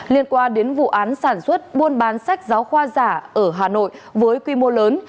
liên quan đến vụ án sản xuất buôn bán sách giáo khoa giả ở hà nội với quy mô lớn